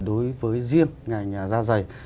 đối với riêng ngành da dày